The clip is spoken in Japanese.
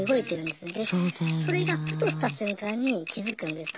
でそれがふとした瞬間に気付くんです。